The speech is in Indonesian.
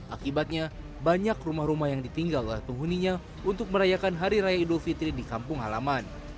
akibatnya banyak rumah rumah yang ditinggal oleh penghuninya untuk merayakan hari raya idul fitri di kampung halaman